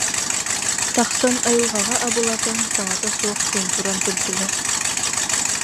Тахсан айылҕаҕа абылатан саҥата суох чуумпуран турдулар